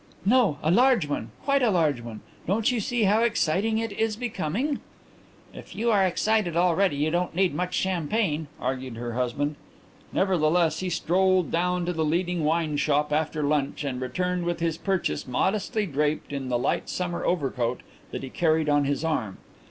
"No. A large one. Quite a large one. Don't you see how exciting it is becoming?" "If you are excited already you don't need much champagne," argued her husband. Nevertheless he strolled down to the leading wine shop after lunch and returned with his purchase modestly draped in the light summer overcoat that he carried on his arm.